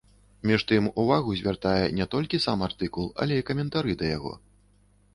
Між тым увагу звяртае не толькі сам артыкул, але і каментары да яго.